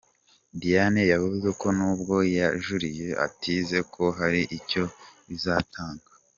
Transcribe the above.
Diane yavuze ko nubwo yajuriye atize ko hari icyo bizatanga.